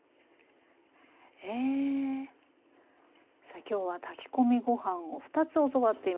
さあ今日は炊き込みご飯を２つ教わっています。